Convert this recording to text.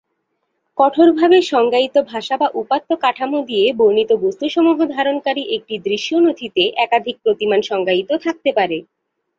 কঠোরভাবে সংজ্ঞায়িত ভাষা বা উপাত্ত কাঠামো দিয়ে বর্ণিত বস্তুসমূহ ধারণকারী একটি "দৃশ্য নথি"-তে একাধিক প্রতিমান সংজ্ঞায়িত থাকতে পারে।